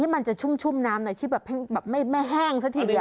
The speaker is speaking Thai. มันจะชุ่มน้ำในที่แบบไม่แห้งซะทีเดียว